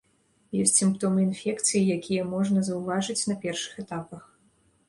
Ёсць сімптомы інфекцый, якія можна заўважыць на першых этапах.